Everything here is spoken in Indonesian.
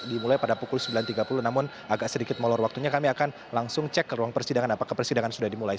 dimulai pada pukul sembilan tiga puluh namun agak sedikit molor waktunya kami akan langsung cek ke ruang persidangan apakah persidangan sudah dimulai